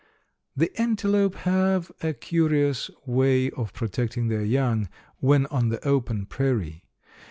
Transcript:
The antelope have a curious way of protecting their young, when on the open prairie.